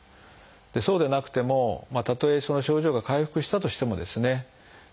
そうでなくてもたとえその症状が回復したとしてもですね